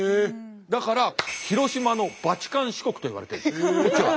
だから広島のバチカン市国といわれてるんです。